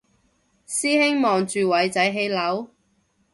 師兄望住偉仔起樓？